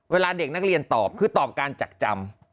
เวลาเด็กนักเรียนตอบคือตอบการจักจำ